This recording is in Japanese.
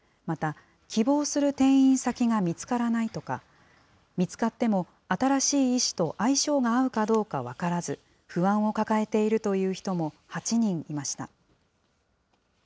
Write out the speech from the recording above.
また、希望する転院先が見つからないとか、見つかっても、新しい医師と相性が合うかどうか分からず、不安を抱えているという人も８人いました。